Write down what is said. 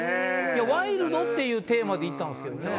ワイルドっていうテーマで行ったんすけどね。